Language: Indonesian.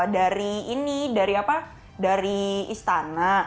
dari ini dari apa dari istana